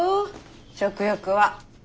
食欲は。